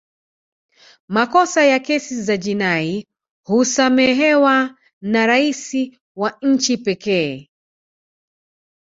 makosa ya kesi za jinai husamehewa na rais wa nchi pekee